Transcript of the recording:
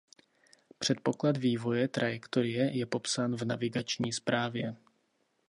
Předpoklad vývoje trajektorie je popsán v navigační zprávě.